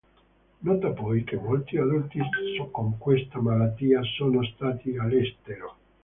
Nota poi che molti adulti con questa malattia sono stati all'estero.